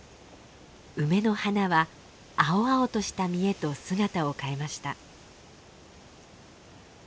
梅の花は青々とした実へと姿を変えました。